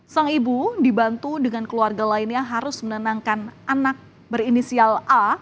sang ibu dibantu dengan keluarga lainnya harus menenangkan anak berinisial a